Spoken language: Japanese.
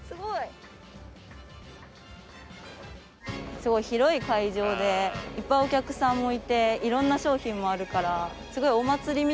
すごい広い会場でいっぱいお客さんもいていろんな商品もあるからすごい。